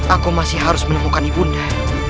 aku masih harus menemukan ibunda